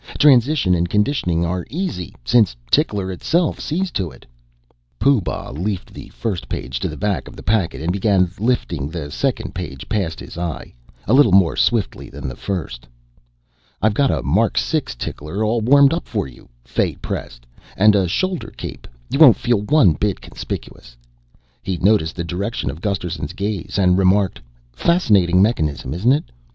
Transition and conditioning are easy, since Tickler itself sees to it." Pooh Bah leafed the first page to the back of the packet and began lifting the second past his eye a little more swiftly than the first. "I've got a Mark 6 tickler all warmed up for you," Fay pressed, "and a shoulder cape. You won't feel one bit conspicuous." He noticed the direction of Gusterson's gaze and remarked, "Fascinating mechanism, isn't it?